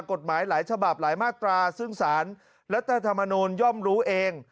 กฎหมายหลายฉบับหลายมาตราซึ่งสารรัฐธรรมนูลย่อมรู้เอง